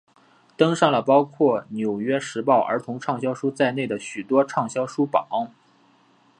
登上了包括纽约时报儿童畅销书在内的许多畅销书榜。